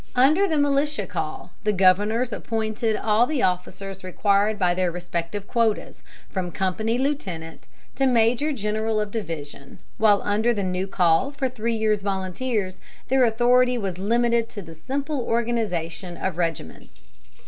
Under the militia call, the governors appointed all the officers required by their respective quotas, from company lieutenant to major general of division; while under the new call for three years' volunteers, their authority was limited to the simple organization of regiments.